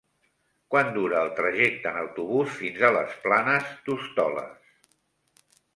Quant dura el trajecte en autobús fins a les Planes d'Hostoles?